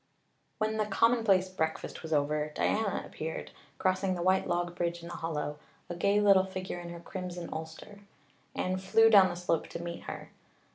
When the commonplace breakfast was over Diana appeared, crossing the white log bridge in the hollow, a gay little figure in her crimson ulster. Anne flew down the slope to meet her.